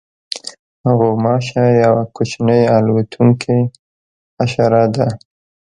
غوماشه یوه کوچنۍ الوتونکې حشره ده.